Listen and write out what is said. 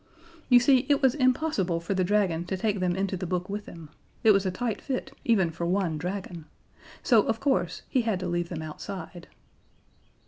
You see, it was impossible for the Dragon to take them into the book with him it was a tight fit even for one Dragon so, of course, he had to leave them outside.